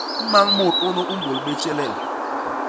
Mañ mut unu u mbôl bé tjelel.